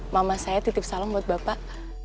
mama saya titip salam buat bapak